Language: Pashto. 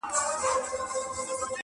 هوښ له سره د چا ځي چي یې لیدلې-